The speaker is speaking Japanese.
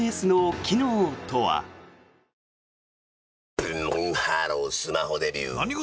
ブンブンハロースマホデビュー！